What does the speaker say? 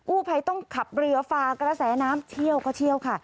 ภัยต้องขับเรือฝากระแสน้ำเชี่ยวก็เชี่ยวค่ะ